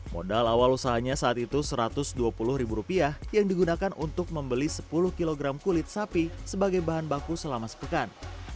modal awal usahanya saat itu rp satu ratus dua puluh yang digunakan untuk membeli sepuluh kg kulit sapi sebagai bahan baku selama sepekan